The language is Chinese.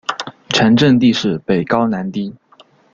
全镇地势北高南低。